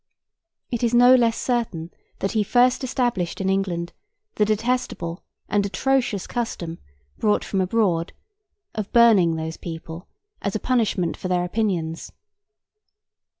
It is no less certain that he first established in England the detestable and atrocious custom, brought from abroad, of burning those people as a punishment for their opinions.